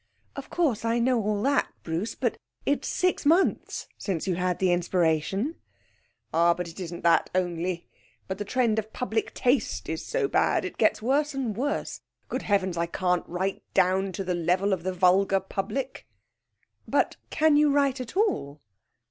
'Of course, I know all that, Bruce; but it's six months since you had the inspiration.' 'Ah, but it isn't that only; but the trend of public taste is so bad it gets worse and worse. Good heavens, I can't write down to the level of the vulgar public!' 'But can you write at all?'